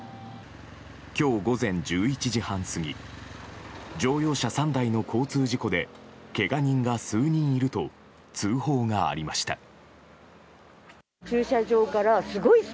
今日午前１１時半過ぎ乗用車３台の交通事故でけが人が数人いると通報がありました。